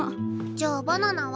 じゃあバナナは？